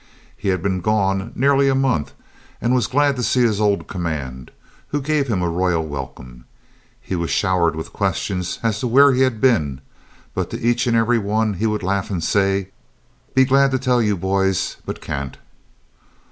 He had been gone nearly a month, and was glad to see his old command, who gave him a royal welcome. He was showered with questions as to where he had been, but to each and every one he would laugh and say, "Be glad to tell you, boys, but can't."